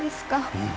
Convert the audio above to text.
うん。